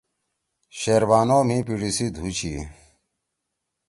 شیربانو مھی پیِڙی سی دُھو چھی۔